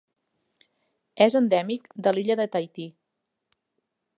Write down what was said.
És endèmic de l'illa de Tahiti.